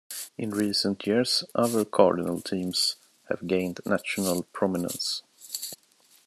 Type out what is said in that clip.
In recent years other Cardinal teams have gained national prominence.